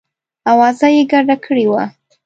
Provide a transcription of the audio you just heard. آوازه یې ګډه کړې وه.